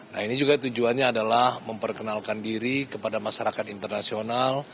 nah ini juga tujuannya adalah memperkenalkan diri kepada masyarakat internasional